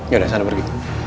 yaudah sana pergi